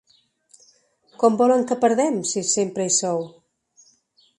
Com volen que perdem, si sempre hi sou?